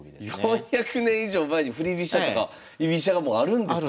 ４００年以上前に振り飛車とか居飛車がもうあるんですね。